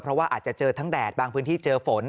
เพราะว่าอาจจะเจอทั้งแดดบางพื้นที่เจอฝน